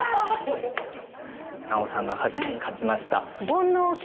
奈緒さんが勝ちました。